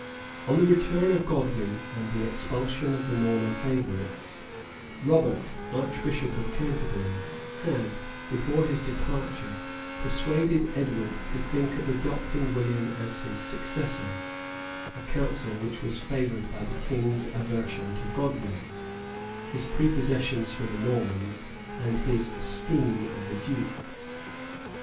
[*] On the return of Godwin, and the expulsion of the Norman favorites, Robert, archbishop of Canterbury, had, before his departure, persuaded Edward to think of adopting William as his successor; a counsel which was favored by the king's aversion to Godwin, his prepossessions for the Normans, and his esteem of the duke.